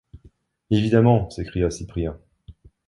Évidemment! s’écria Cyprien.